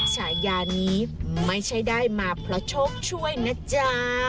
ฉายานี้ไม่ใช่ได้มาเพราะโชคช่วยนะจ๊ะ